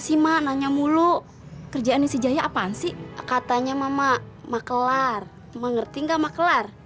sima nanya mulu kerjaan nisi jaya apaan sih katanya mama maklar mengerti enggak maklar